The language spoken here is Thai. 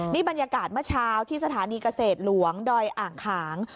นี่บรรยากาศเมื่อเช้าที่สถานีเกษตรหลวงดอยอ่างขาง